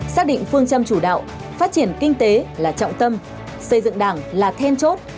xác định phương châm chủ đạo phát triển kinh tế là trọng tâm xây dựng đảng là then chốt